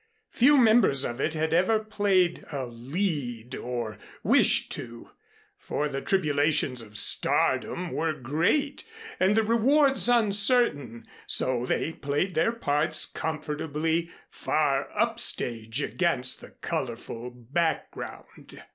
Few members of it had ever played a "lead" or wished to; for the tribulations of star dom were great and the rewards uncertain, so they played their parts comfortably far up stage against the colorful background.